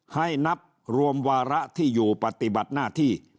ให้นับรวมวาระที่อยู่ปฏิบัติหน้าที่